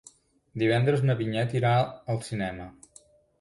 Divendres na Vinyet irà al cinema.